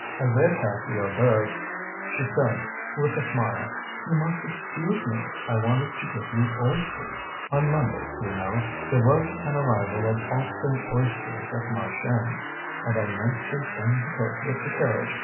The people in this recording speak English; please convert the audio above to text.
As they attacked the hors d'oeuvre she said, with a smile: "You must excuse me; I wanted to give you oysters. On Monday, you know, there was an arrival of Ostend oysters at Marchiennes, and I meant to send the cook with the carriage.